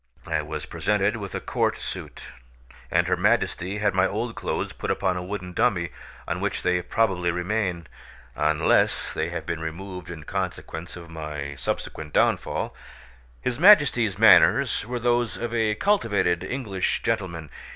I was presented with a court suit, and her Majesty had my old clothes put upon a wooden dummy, on which they probably remain, unless they have been removed in consequence of my subsequent downfall. His Majesty's manners were those of a cultivated English gentleman.